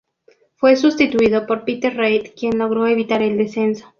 Fue sustituido por Peter Reid quien logró evitar el descenso.